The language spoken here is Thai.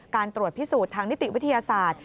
การตรวจพิสูจน์ทางนิติวิทยาศาสตร์